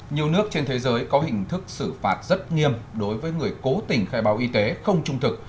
nhiều nước trên thế giới có hình thức xử phạt rất nghiêm đối với người cố tình khai báo y tế không trung thực